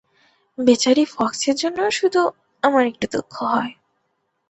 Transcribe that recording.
বেচারী ফক্সের জন্য শুধু আমার একটু দুঃখ হয়।